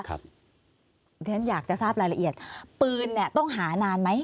เพราะฉะนั้นอยากจะทราบรายละเอียดปืนเนี่ยต้องหานานไหม